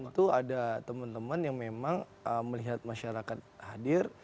tentu ada teman teman yang memang melihat masyarakat hadir